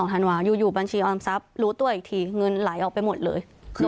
ธันวาอยู่บัญชีออมทรัพย์รู้ตัวอีกทีเงินไหลออกไปหมดเลย